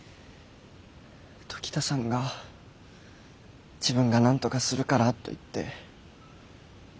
時田さんが自分がなんとかするからと言って。